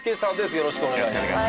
よろしくお願いします。